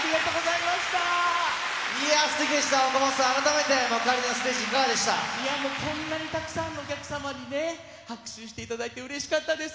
いやもう、こんなにたくさんのお客様にね、拍手していただいて、うれしかったです。